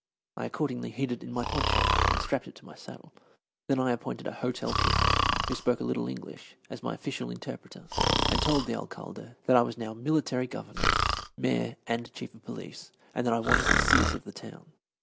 I accordingly hid it in my poncho and strapped it to my saddle. Then I appointed a hotel keeper, who spoke a little English, as my official interpreter, and told the Alcalde that I was now Military Governor, Mayor, and Chief of Police, and that I wanted the seals of the town.